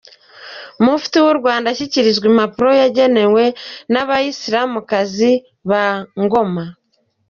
Mufti w’u Rwanda ashyikirizwa impano yagenewe n’Abayisiramukazi ba Ngoma.